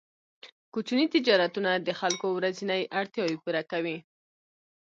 کوچني تجارتونه د خلکو ورځنۍ اړتیاوې پوره کوي.